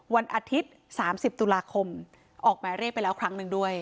วันอาทิตย์๓๐ตุลาคมออกหมายเรียกไปแล้วครั้งหนึ่งด้วย